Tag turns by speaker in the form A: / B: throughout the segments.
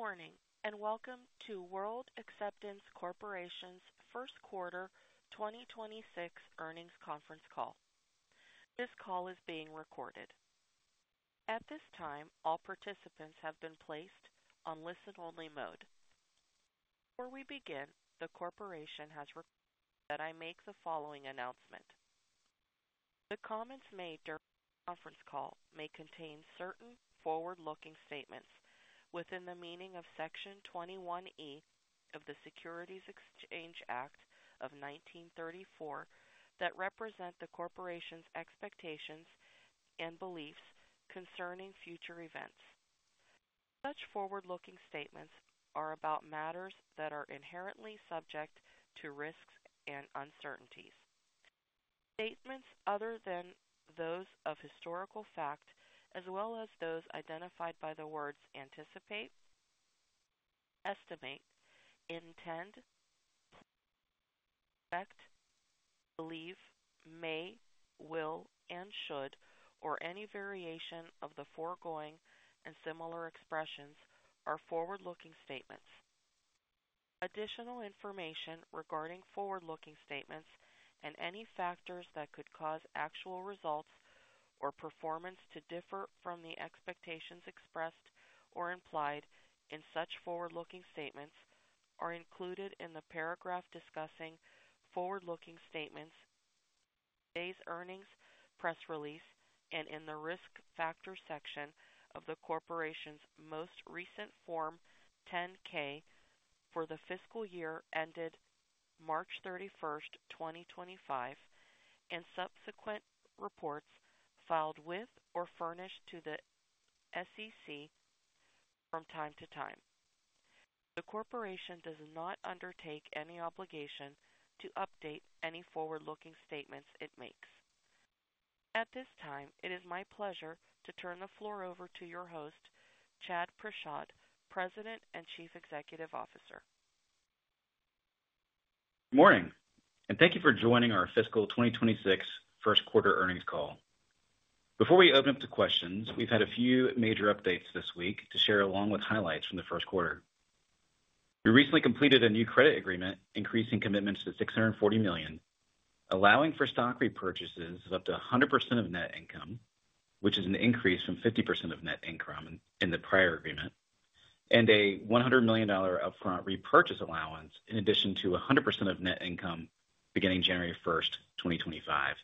A: Good morning and welcome to World Acceptance Corporation's Q1 2026 earnings conference call. This call is being recorded. At this time, all participants have been placed on listen-only mode. Before we begin, the corporation has requested that I make the following announcement. The comments made during the conference call may contain certain forward-looking statements within the meaning of Section 21E of the Securities Exchange Act of 1934 that represent the corporation's expectations and beliefs concerning future events. Such forward-looking statements are about matters that are inherently subject to risks and uncertainties. Statements other than those of historical fact, as well as those identified by the words anticipate, estimate, intend, expect, believe, may, will, and should, or any variation of the foregoing and similar expressions, are forward-looking statements. Additional information regarding forward-looking statements and any factors that could cause actual results or performance to differ from the expectations expressed or implied in such forward-looking statements are included in the paragraph discussing forward-looking statements, today's earnings press release, and in the risk factor section of the corporation's most recent Form 10-K for the fiscal year ended March 31, 2025, and subsequent reports filed with or furnished to the SEC from time to time. The corporation does not undertake any obligation to update any forward-looking statements it makes. At this time, it is my pleasure to turn the floor over to your host, Chad Prashad, President and Chief Executive Officer.
B: Morning, and thank you for joining our fiscal 2026 Q1 earnings call. Before we open up to questions, we've had a few major updates this week to share along with highlights from the Q1. We recently completed a new credit agreement increasing commitments to $640 million, allowing for stock repurchases of up to 100% of net income, which is an increase from 50% of net income in the prior agreement, and a $100 million upfront repurchase allowance in addition to 100% of net income beginning January 1, 2025.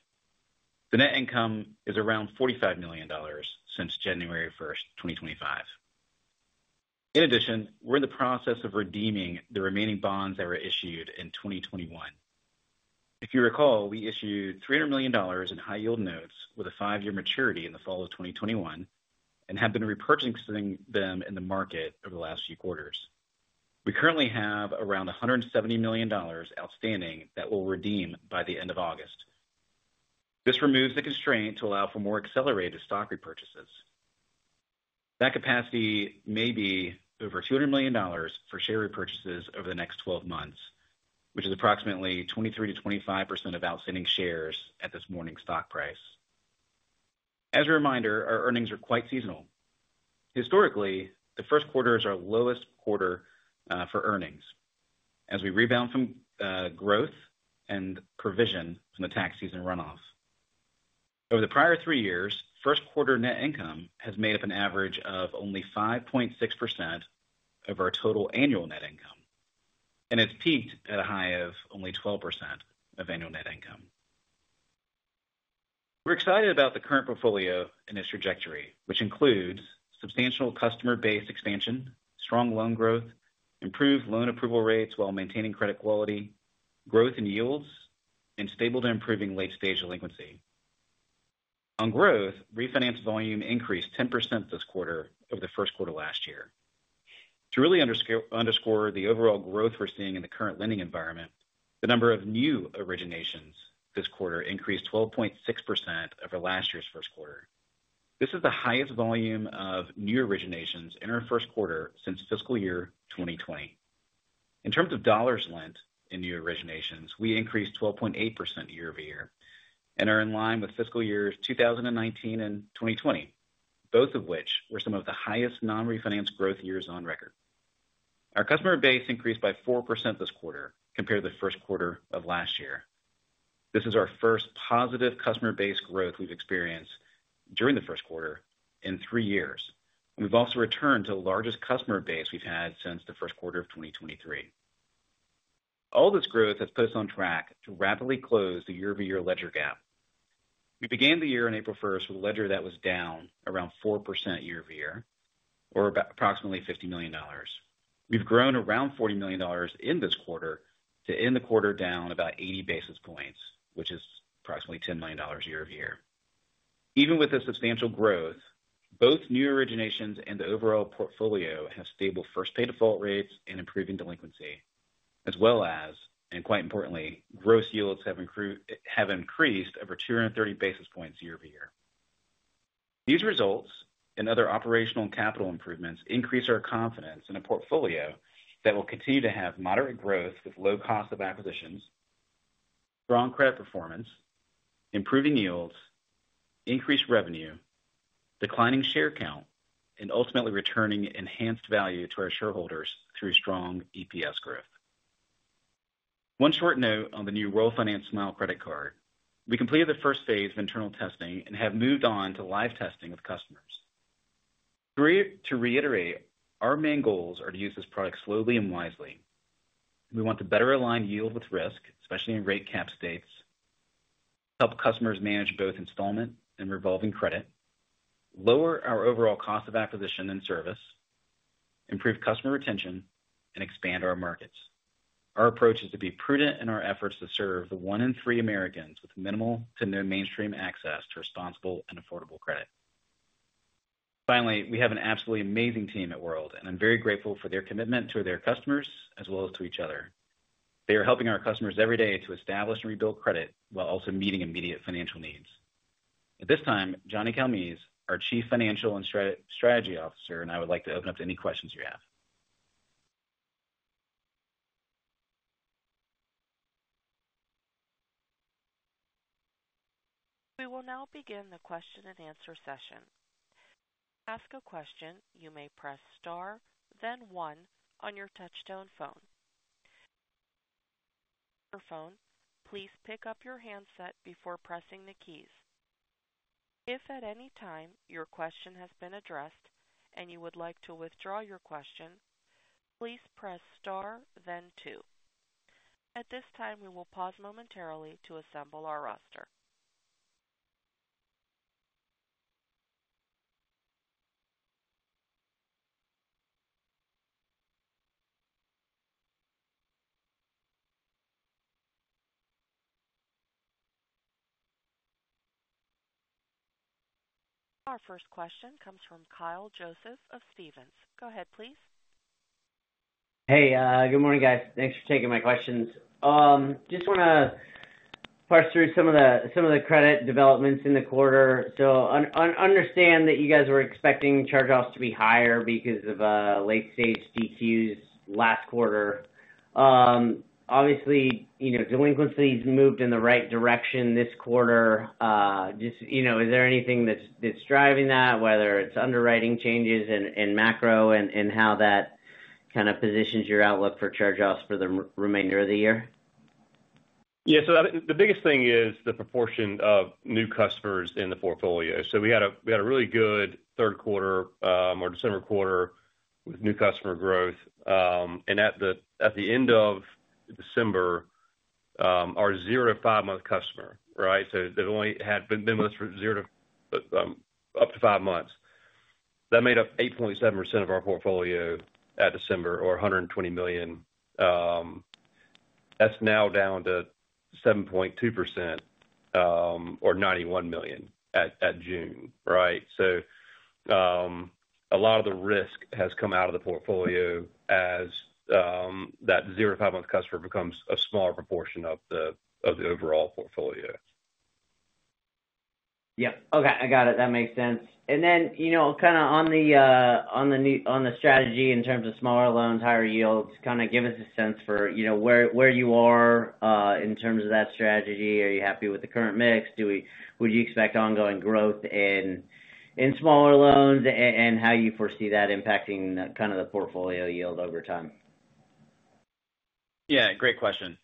B: The net income is around $45 million since January 1, 2025. In addition, we're in the process of redeeming the remaining bonds that were issued in 2021. If you recall, we issued $300 million in high-yield notes with a five-year maturity in the fall of 2021 and have been repurchasing them in the market over the last few quarters. We currently have around $170 million outstanding that we'll redeem by the end of August. This removes the constraint to allow for more accelerated stock repurchases. That capacity may be over $200 million for share repurchases over the next 12 months, which is approximately 23%-25% of outstanding shares at this morning's stock price. As a reminder, our earnings are quite seasonal. Historically, the Q1 is our lowest quarter for earnings, as we rebound from growth and provision from the tax season runoff. Over the prior three years, Q1 net income has made up an average of only 5.6% of our total annual net income, and it's peaked at a high of only 12% of annual net income. We're excited about the current portfolio and its trajectory, which includes substantial customer base expansion, strong loan growth, improved loan approval rates while maintaining credit quality, growth in yields, and stable to improving late-stage delinquency. On growth, refinance volume increased 10% this quarter over the Q1 last year. To really underscore the overall growth we're seeing in the current lending environment, the number of new originations this quarter increased 12.6% over last year's Q1. This is the highest volume of new originations in our Q1 since fiscal year 2020. In terms of dollars lent in new originations, we increased 12.8% year-over-year and are in line with fiscal years 2019 and 2020, both of which were some of the highest non-refinanced growth years on record. Our customer base increased by 4% this quarter compared to the Q1 of last year. This is our first positive customer base growth we've experienced during the Q1 in three years, and we've also returned to the largest customer base we've had since the Q1 of 2023. All this growth has put us on track to rapidly close the year-over-year ledger gap. We began the year on April 1st with a ledger that was down around 4% year-over-year, or about approximately $50 million. We've grown around $40 million in this quarter to end the quarter down about 80 basis points, which is approximately $10 million year-over-year. Even with this substantial growth, both new originations and the overall portfolio have stable first-pay default rates and improving delinquency, as well as, and quite importantly, gross yields have increased over 230 basis points year-over-year. These results and other operational capital improvements increase our confidence in a portfolio that will continue to have moderate growth with low cost of acquisitions, strong credit performance, improving yields, increased revenue, declining share count, and ultimately returning enhanced value to our shareholders through strong EPS growth. One short note on the new World Finance Smile credit card. We completed the first phase of internal testing and have moved on to live testing with customers. To reiterate, our main goals are to use this product slowly and wisely. We want to better align yield with risk, especially in rate cap states, help customers manage both installment and revolving credit, lower our overall cost of acquisition and service, improve customer retention, and expand our markets. Our approach is to be prudent in our efforts to serve the one in three Americans with minimal to no mainstream access to responsible and affordable credit. Finally, we have an absolutely amazing team at World, and I'm very grateful for their commitment to their customers as well as to each other. They are helping our customers every day to establish and rebuild credit while also meeting immediate financial needs. At this time, Johnny Calmes is our Chief Financial and Strategy Officer, and I would like to open up to any questions you have.
A: We will now begin the question and answer session. To ask a question, you may press star, then one on your touch-tone phone. For your phone, please pick up your handset before pressing the keys. If at any time your question has been addressed and you would like to withdraw your question, please press star, then two. At this time, we will pause momentarily to assemble our roster. Our first question comes from Kyle Joseph of Stephens. Go ahead, please.
C: Hey, good morning, guys. Thanks for taking my questions. I just want to parse through some of the credit developments in the quarter. I understand that you guys were expecting charge-offs to be higher because of late-stage [DTUs] last quarter. Obviously, delinquency has moved in the right direction this quarter. Is there anything that's driving that, whether it's underwriting changes and macro and how that kind of positions your outlook for charge-offs for the remainder of the year?
D: Yeah, I think the biggest thing is the proportion of new customers in the portfolio. We had a really good Q3 or December quarter with new customer growth. At the end of December, our zero to five-month customer, right? They've only been with us for zero to up to five months. That made up 8.7% of our portfolio at December, or $120 million. That's now down to 7.2%, or $91 million at June, right? A lot of the risk has come out of the portfolio as that zero to five-month customer becomes a smaller proportion of the overall portfolio.
C: Okay, I got it. That makes sense. You know, kind of on the strategy in terms of small loans, higher yields, give us a sense for where you are in terms of that strategy. Are you happy with the current mix? Would you expect ongoing growth in small loans and how you foresee that impacting the portfolio yield over time?
B: Yeah, great question.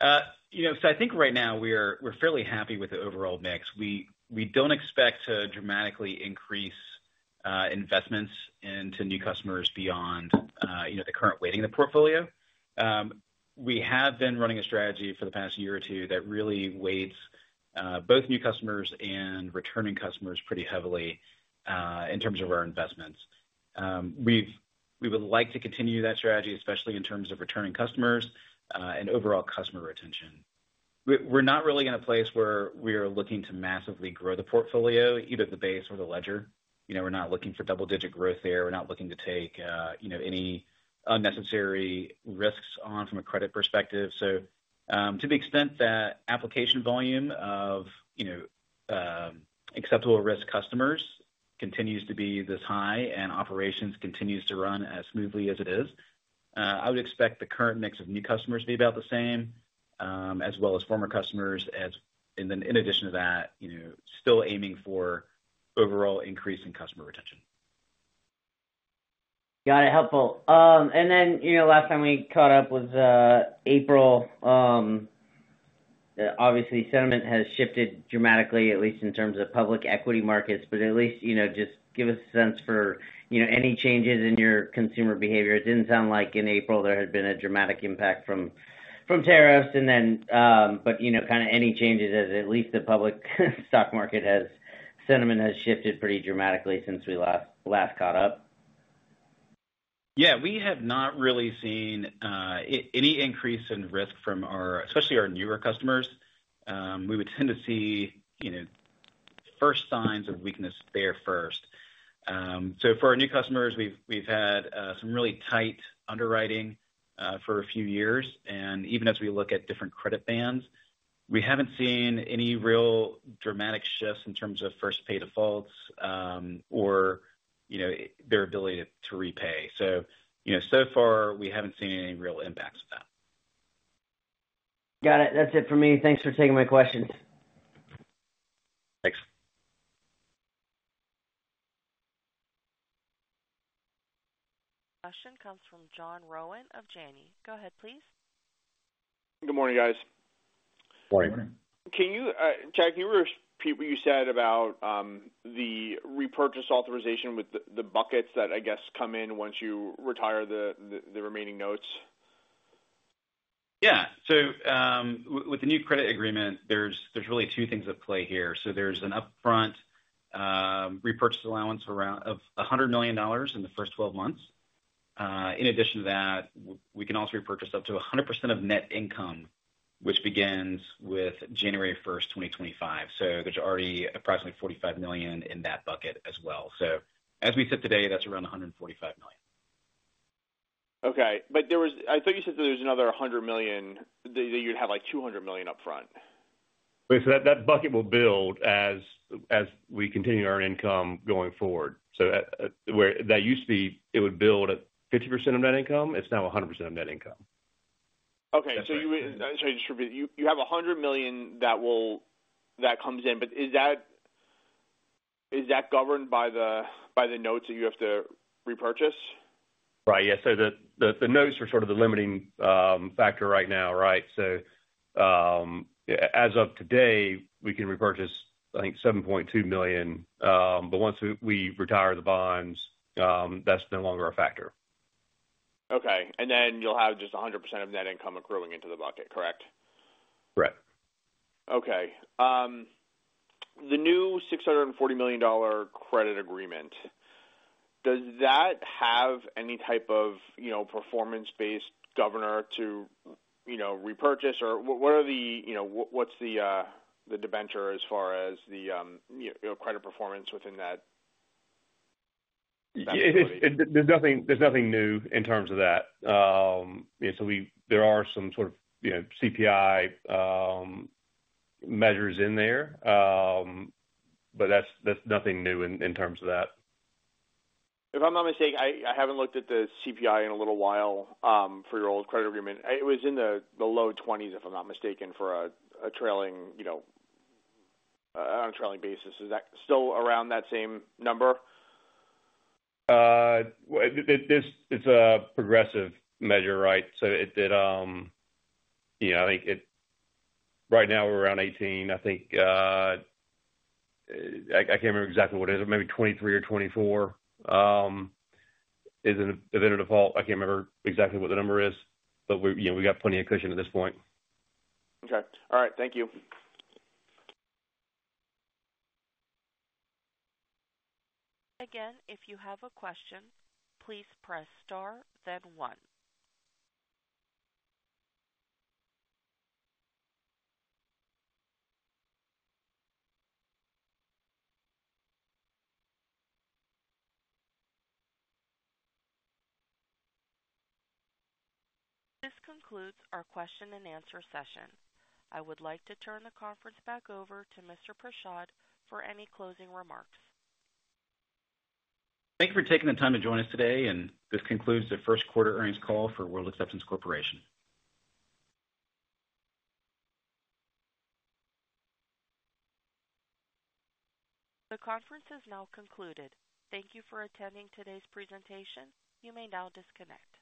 B: I think right now we're fairly happy with the overall mix. We don't expect to dramatically increase investments into new customers beyond the current weighting of the portfolio. We have been running a strategy for the past year or two that really weights both new customers and returning customers pretty heavily in terms of our investments. We would like to continue that strategy, especially in terms of returning customers and overall customer retention. We're not really in a place where we are looking to massively grow the portfolio, either the base or the ledger. We're not looking for double-digit growth there. We're not looking to take any unnecessary risks on from a credit perspective. To the extent that application volume of acceptable risk customers continues to be this high and operations continues to run as smoothly as it is, I would expect the current mix of new customers to be about the same, as well as former customers. In addition to that, still aiming for overall increase in customer retention.
C: Got it. Helpful. Last time we caught up was April. Obviously, sentiment has shifted dramatically, at least in terms of public equity markets. At least, just give us a sense for any changes in your consumer behavior. It didn't sound like in April there had been a dramatic impact from tariffs. Any changes as at least the public stock market sentiment has shifted pretty dramatically since we last caught up.
B: Yeah, we have not really seen any increase in risk from our, especially our newer customers. We would tend to see first signs of weakness there first. For our new customers, we've had some really tight underwriting for a few years, and even as we look at different credit bands, we haven't seen any real dramatic shifts in terms of first-pay defaults or their ability to repay. So far we haven't seen any real impacts of that.
C: Got it. That's it for me. Thanks for taking my questions.
B: Thanks.
A: Question comes from John Rowan of Janney Montgomery Scott. Go ahead, please.
E: Good morning, guys.
D: Morning.
E: Can you, Chad, repeat what you said about the repurchase authorization with the buckets that I guess come in once you retire the remaining notes?
B: Yeah, with the new credit agreement, there's really two things at play here. There's an upfront repurchase allowance of $100 million in the first 12 months. In addition to that, we can also repurchase up to 100% of net income, which begins with January 1, 2025. There's already approximately $45 million in that bucket as well. As we sit today, that's around $145 million.
E: Okay, I thought you said that there's another $100 million, that you'd have like $200 million upfront.
D: That bucket will build as we continue our income going forward. Where that used to be, it would build at 50% of net income, it's now 100% of net income.
E: Okay, you have $100 million that comes in, but is that governed by the notes that you have to repurchase?
D: Right, yeah, the notes are sort of the limiting factor right now, right? As of today, we can repurchase, I think, $7.2 million, but once we retire the bonds, that's no longer a factor.
E: Okay, you'll have just 100% of net income accruing into the bucket, correct?
D: Correct.
E: Okay. The new $640 million credit agreement, does that have any type of performance-based governor to repurchase or what are the debenture as far as the credit performance within that?
D: There's nothing new in terms of that. There are some CPI measures in there, but that's nothing new in terms of that.
E: If I'm not mistaken, I haven't looked at the CPI in a little while for your old credit agreement. It was in the low 20s, if I'm not mistaken, for a trailing, you know, on a trailing basis. Is that still around that same number?
D: It's a progressive measure, right? It did, I think right now we're around 18. I think, I can't remember exactly what it is, maybe 23 or 24 is an event of default. I can't remember exactly what the number is, but we got plenty of cushion at this point.
E: Okay. All right. Thank you.
A: Again, if you have a question, please press star, then one. This concludes our question and answer session. I would like to turn the conference back over to Mr. Prashad for any closing remarks.
B: Thank you for taking the time to join us today, and this concludes the Q1 earnings call for World Acceptance Corporation.
A: The conference is now concluded. Thank you for attending today's presentation. You may now disconnect.